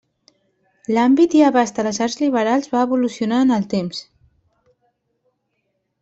L'àmbit i abast de les arts liberals va evolucionar en el temps.